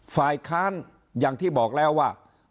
ฝ่ายค้านอย่างที่บอกแล้วว่า